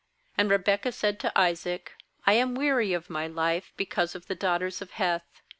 ^And Rebekah said to Isaac: fl am weary of my life because of the daughters of Heth.